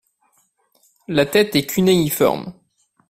La tête est cunéiforme.